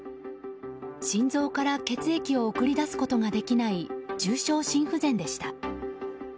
心臓から血液を送り出すことができない重症心不全でした。